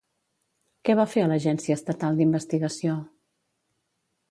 Què va fer a l'Agència Estatal d'Investigació?